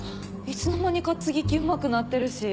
いつの間にか接ぎ木うまくなってるし。